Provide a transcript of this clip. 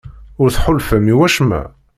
Ur tḥulfam i wacemma?